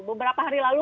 beberapa hari lalu